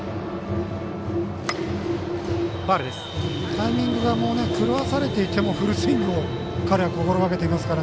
タイミングが狂わされていてもフルスイングを彼は心がけていますから。